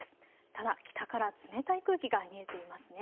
ただ、北から冷たい空気が見えていますね。